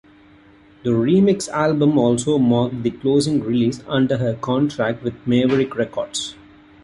The remix album also marked the closing release under her contract with Maverick Records.